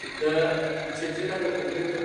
دواړه موارد د نژادي تفکیک یو ښکاره مصداق دي.